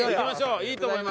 いいと思います。